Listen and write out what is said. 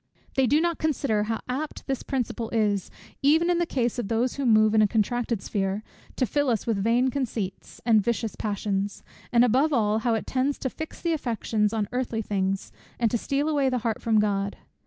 They do not consider how apt this principle is, even in the case of those who move in a contracted sphere, to fill us with vain conceits, and vicious passions; and above all how it tends to fix the affections on earthly things, and to steal away the heart from God.